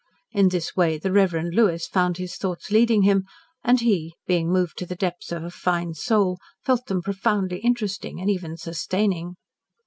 In this way the Reverend Lewis found his thoughts leading him, and he being moved to the depths of a fine soul felt them profoundly interesting, and even sustaining.